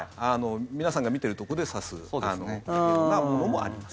皆さんが見てるところで指すようなものもあります。